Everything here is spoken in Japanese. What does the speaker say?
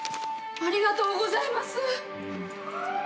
ありがとうございます。